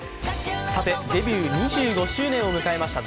デビュー２５周年を迎えました